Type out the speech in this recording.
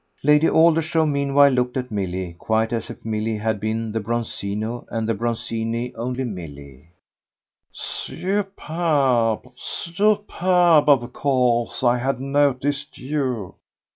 Lady Aldershaw meanwhile looked at Milly quite as if Milly had been the Bronzino and the Bronzino only Milly. "Superb, superb. Of course I had noticed you.